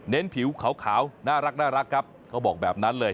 ผิวขาวน่ารักครับเขาบอกแบบนั้นเลย